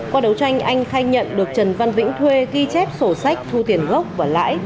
qua đấu tranh anh khai nhận được trần văn vĩnh thuê ghi chép sổ sách thu tiền gốc và lãi